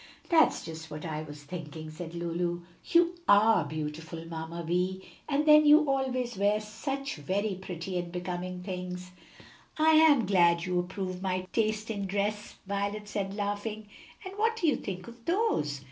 "That's just what I was thinking," said Lulu. "You are beautiful, Mamma Vi, and then you always wear such very pretty and becoming things." "I am glad you approve my taste in dress," Violet said, laughing. "And what do you think of those?"